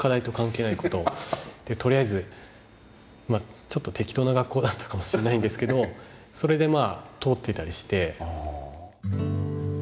とりあえずちょっと適当な学校だったかもしれないんですけどそれでまあ通ってたりして。